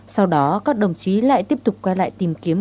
sau đó các đồng chí lại tiếp tục quay lại tìm kiếm